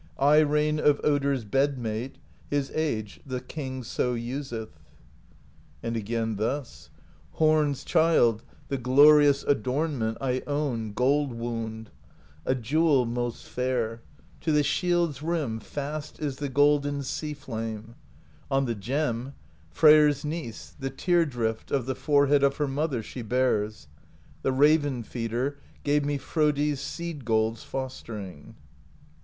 Eye rain of Odr's Bed Mate: His age the King so useth. And again thus: THE POESY OF SKALDS 149 Horn's Child, the glorious adornment, I own, gold wound — a jewel Most fair — to the shield's rim Fast is the golden Sea Flame: On the gem, Freyr's Niece, the tear drift Of the forehead of her Mother She bears; the Raven Feeder Gave me Frodi's seed gold's fostering.